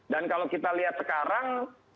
dan kalau kita lihat sekarang